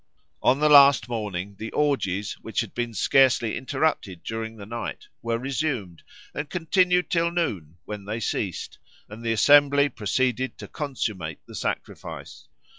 On the last morning the orgies, which had been scarcely interrupted during the night, were resumed, and continued till noon, when they ceased, and the assembly proceeded to consummate the sacrifice.